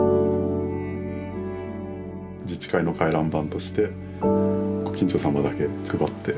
自治会の回覧板としてご近所様だけ配って。